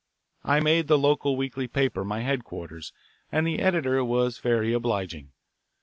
I made the local weekly paper my headquarters, and the editor was very obliging.